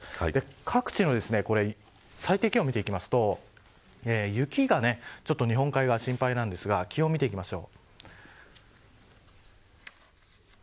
各地の最低気温を見ていくと雪が日本海側、心配なんですが気温を見ていきましょう。